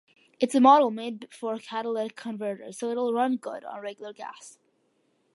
It's a model made before catalytic converters so it'll run good on regular gas.